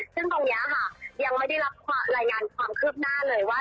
ซึ่งตรงนี้ค่ะยังไม่ได้รับรายงานความคืบหน้าเลยว่า